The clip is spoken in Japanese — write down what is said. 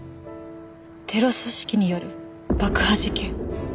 テロ組織による爆破事件。